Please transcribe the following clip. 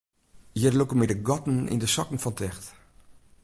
Hjir lûke my de gatten yn de sokken fan ticht.